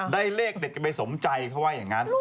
ได้เลขเด็ดกลายไปสมใจเขาไว้อย่างงั้น